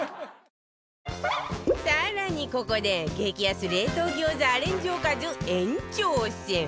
更にここで激安冷凍餃子アレンジおかず延長戦